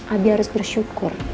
abi harus bersyukur